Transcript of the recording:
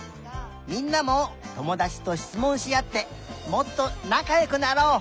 みんなもともだちとしつもんしあってもっとなかよくなろう！